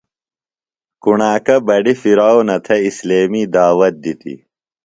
کُݨاکہ بڈیۡ فرعونہ تھےۡ اِسلیمی دعوت دِتیۡ۔